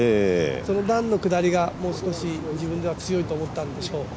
その段の下りがもう少し、自分では強いと思っていたんでしょう。